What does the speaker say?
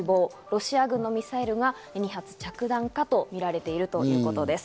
ロシア軍のミサイルが２発着弾かと見られているということです。